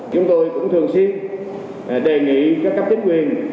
chúng tôi cũng thường xuyên đề nghị các cấp chính quyền